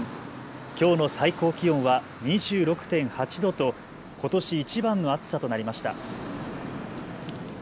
きょうの最高気温は２６．８度とことしいちばんの暑さとなりました。